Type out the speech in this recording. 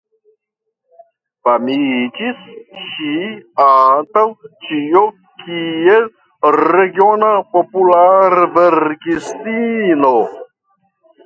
Famiĝis ŝi antaŭ ĉio kiel regiona popularverkistino.